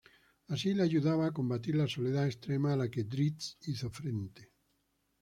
Así le ayudaba a combatir la soledad extrema a la que Drizzt hizo frente.